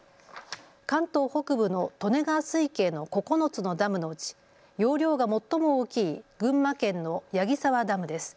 関東北部の利根川水系の９つのダムのうち容量が最も大きい群馬県の矢木沢ダムです。